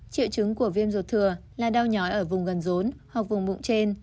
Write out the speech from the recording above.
triệu chứng của viêm ruột thừa là đau nhói ở vùng gần rốn hoặc vùng bụng trên